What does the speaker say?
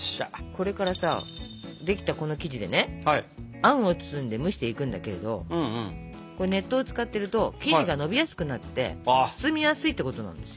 これからさできたこの生地でねあんを包んで蒸していくんだけれどこれ熱湯を使ってると生地がのびやすくなって包みやすいってことなんです。